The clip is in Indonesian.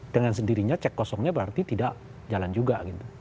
dengan sendirinya cek kosongnya berarti tidak jalan juga gitu